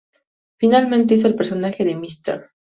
Finalmente hizo el personaje de Mr.